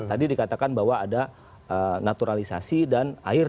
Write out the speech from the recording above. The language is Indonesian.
tadi dikatakan bahwa ada naturalisasi dan air